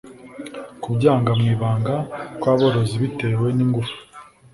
Kubyanga mu ibanga kw aborozi bitewe n ingufu